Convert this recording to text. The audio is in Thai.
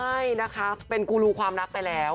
ใช่นะคะเป็นกูรูความรักไปแล้ว